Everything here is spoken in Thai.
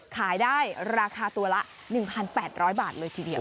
ขายได้ราคาตัวละ๑๘๐๐บาทเลยทีเดียว